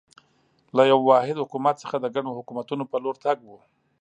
له یوه واحد حکومت څخه د ګڼو حکومتونو په لور تګ و.